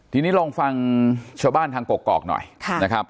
ทีนี้ลองฟังชาวบ้านทางกกอกหน่อยนะครับ